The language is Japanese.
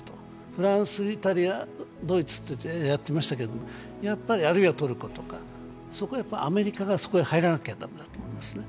フランス、イタリア、ドイツとやってましたけど、あるいはトルコとか、アメリカがそこに入らなきゃ駄目だと思うんですね